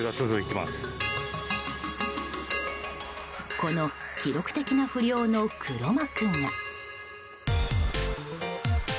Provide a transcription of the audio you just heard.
この記録的な不漁の黒幕が。